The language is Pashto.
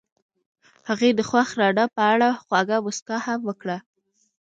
هغې د خوښ رڼا په اړه خوږه موسکا هم وکړه.